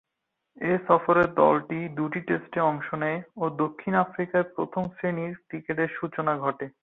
এ সফরে দলটি দুই টেস্টে অংশ নেয় ও দক্ষিণ আফ্রিকায় প্রথম-শ্রেণীর ক্রিকেটের সূচনা ঘটে।